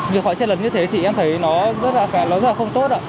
việc phải chen lấn như thế thì em thấy nó rất là không tốt ạ